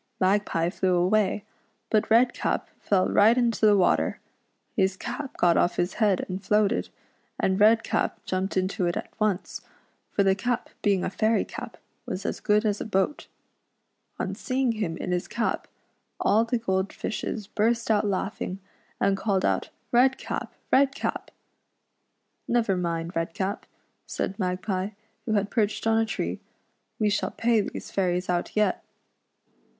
Mag pie .flew away, but Redcap fell right into the water. His cap got off his head and floated, and Redcap jumped into it at once, for the cap being a fairy cap was as good as a boat. On seeing him in his cap, all 96 REDCAP'S ADVENTURES IN FAIRYLAND. the gold fishes burst out laughing, and called out "Redcap! Redcap !"" Never mind, Redcap," said Magpie, who had perched on a tree ;" we shall pay these fairies out yet."